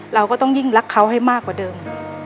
เราก็ต้องยิ่งรักเขาให้มากกว่าเดิม